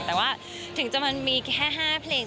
แต่ว่าถึงจะมันมีแค่๕เพลง